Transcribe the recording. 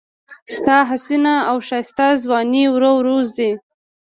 ستا حسینه او ښایسته ځواني ورو ورو ځي